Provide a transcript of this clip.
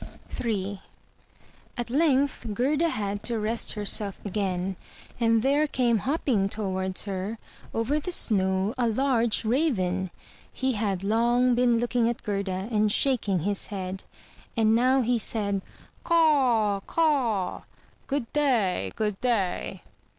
Ill At length Gerda had to rest herself again, and there came hopping towards her over the snow a large raven. He had long been looking at Gerda and shaking his head; and now he said, "Caw! caw! Good day! Good day!"